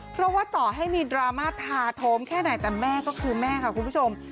เพราะว่าต่อให้มีดราม่าทาโทมแค่ไหนแต่แม่ก็คือแม่ค่ะคุณผู้ชม